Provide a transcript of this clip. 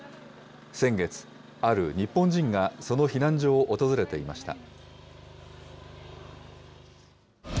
先月、ある日本人が、その避難所を訪れていました。